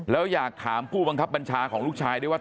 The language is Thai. แล้วอยากถามผู้บังคับบัญชาของลูกชายด้วยว่า